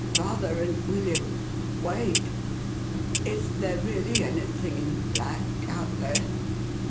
Father and William— wait !— is there really anything in black, out there